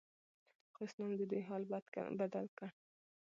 خو اسلام ددوی حال بدل کړ